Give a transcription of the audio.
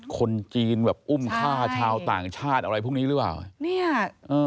คนจีนแบบอุ้มฆ่าชาวต่างชาติอะไรพวกนี้หรือเปล่า